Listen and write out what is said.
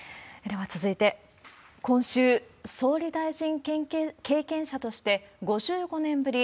では続いて、今週、総理大臣経験者として５５年ぶり、